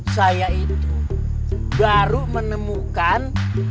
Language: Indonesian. saya itu baru menemukan peti matinya